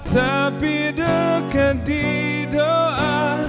tapi dekat di doa